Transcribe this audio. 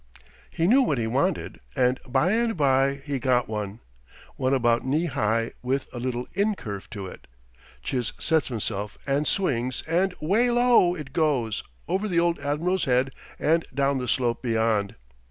He knew what he wanted, and by and by he got one one about knee high with a little incurve to it. Chiz sets himself and swings and whale O it goes, over the old admiral's head and down the slope beyond.